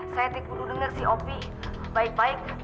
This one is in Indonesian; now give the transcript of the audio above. saya tekundu denger si opik baik baik